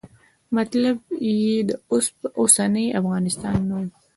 مطلب یې د اوسني افغانستان نه و.